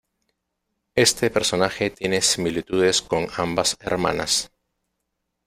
Este personaje tiene similitudes con ambas hermanas.